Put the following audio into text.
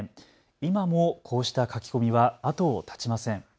今もこうした書き込みは後を絶ちません。